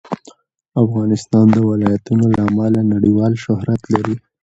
افغانستان د ولایتونو له امله نړیوال شهرت لري.